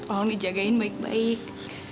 tolong dijagain baik baik